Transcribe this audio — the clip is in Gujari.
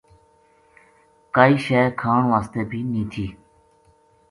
کائے شے کھان واسطے بھی نیہہ تھی